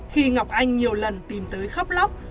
khi ngọc anh nhiều lần tìm tới khóc lóc